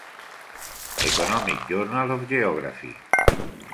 Economic Journal of Geography.